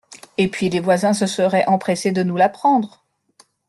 Et puis les voisins se seraient empressés de nous l’apprendre